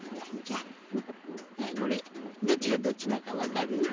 あこれどっちがどっちだかわかる？